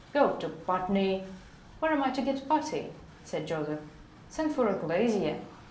"Go to Putney!" "Where am I to get putty?" said Joseph. "Send for a glazier."